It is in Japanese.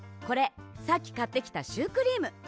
これさっきかってきたシュークリーム。